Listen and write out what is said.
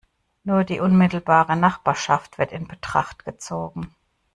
Nur die unmittelbare Nachbarschaft wird in Betracht gezogen.